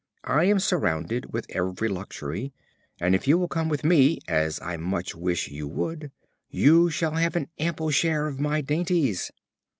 I am surrounded with every luxury, and if you will come with me, as I much wish you would, you shall have an ample share of my dainties."